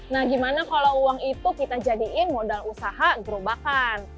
nah gimana kalau uang itu kita jadiin modal usaha gerobakan